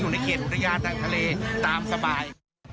ในเขตอุทยานทางทะเลตามสบาย